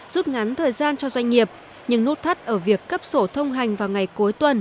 rút ngắn thời gian cho doanh nghiệp nhưng nút thắt ở việc cấp sổ thông hành vào ngày cuối tuần